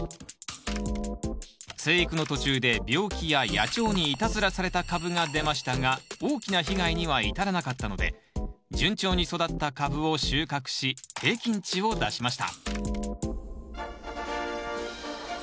生育の途中で病気や野鳥にいたずらされた株が出ましたが大きな被害には至らなかったので順調に育った株を収穫し平均値を出しました